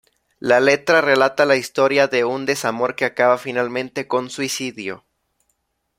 La letra relata la historia de un desamor que acaba finalmente con suicidio.